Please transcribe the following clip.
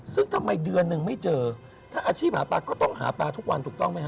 ซึ่งทำไมเดือนนึงไม่เจอถ้าอาชีพหาปลาก็ต้องหาปลาทุกวันถูกต้องไหมฮ